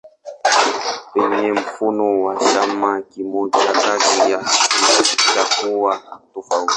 Penye mfumo wa chama kimoja kazi ya chama itakuwa tofauti.